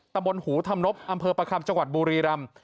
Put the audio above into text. ตำบลหูธรรมนบอำเภอประคัมจังหวัดบุรีรำ